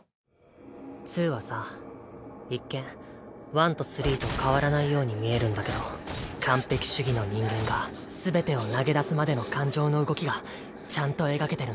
「２」はさ一見「１」と「３」と変わらないように見えるんだけど完璧主義の人間が全てを投げ出すまでの感情の動きがちゃんと描けてるんだ。